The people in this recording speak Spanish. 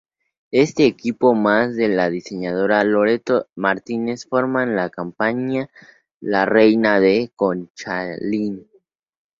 Este equipo más la diseñadora Loreto Martínez forman la compañía La Reina de Conchalí.